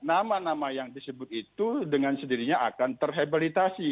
nama nama yang disebut itu dengan sendirinya akan terhabilitasi